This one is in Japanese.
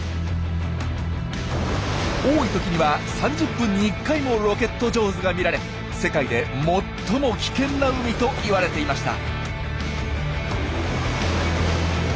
多い時には３０分に１回もロケット・ジョーズが見られ世界で最も危険な海と言われていました。